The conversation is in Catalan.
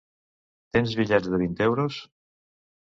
Tens bitllets de vint euros?